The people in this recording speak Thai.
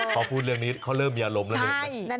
พอพูดเรื่องนี้เขาเริ่มมีอารมณ์แล้วเริ่มนะ